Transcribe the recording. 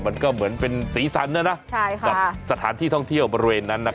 มันก็เหมือนเป็นศีรษรนะนะสถานที่ท่องเที่ยวบริเวณนั้นนะครับใช่ค่ะ